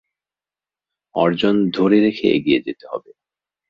অর্জন ধরে রেখে এগিয়ে যেতে হবে।